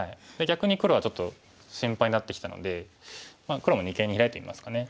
逆に黒はちょっと心配になってきたので黒も二間にヒラいてみますかね。